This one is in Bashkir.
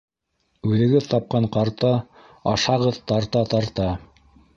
Үҙегеҙ тапҡан ҡарта, ашағыҙ тарта-тарта.